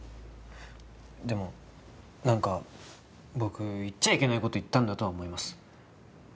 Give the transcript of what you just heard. でも何か僕言っちゃいけないこと言ったんだとは思います。